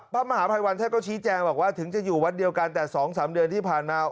พระมหาภัยวันท่านก็ชี้แจงบอกว่าถึงจะอยู่วัดเดียวกันแต่๒๓เดือนที่ผ่านมา